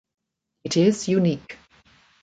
It is unique.